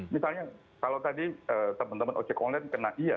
misalnya kalau tadi teman teman ojek online kena iya